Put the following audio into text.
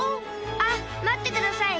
あっまってください。